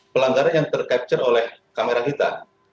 pelanggaran yang tercapture oleh kamera kita